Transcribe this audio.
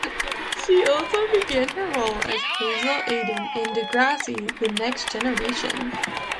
She also began her role as Hazel Aden in "Degrassi: The Next Generation".